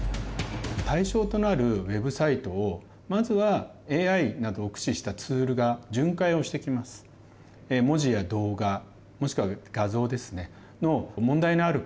対象となるウェブサイトをまずはＡＩなどを駆使したツールが巡回をしてきます。